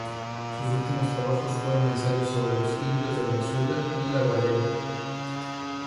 Sus últimos trabajos fueron ensayos sobre los indios de Venezuela y la Guayana.